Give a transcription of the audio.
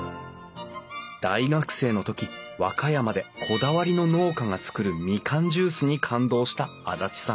大学生の時和歌山でこだわりの農家が作るみかんジュースに感動した安達さん。